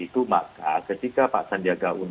rencana nyahir pekan ini kita juga akan melaksanakan rapimnasya